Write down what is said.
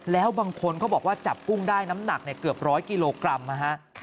แล้วบางคนเขาบอกว่าจับกุ้งได้น้ำหนักเกือบร้อยกิโลกรัมนะฮะ